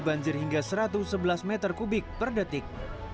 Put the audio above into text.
banjir hingga satu ratus sebelas meter kubik per detik